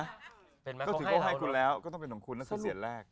แ้ดาวที่ก็ให้คุณก็ต้องเป็นของคุณเนี่ยตัวเสียงแรก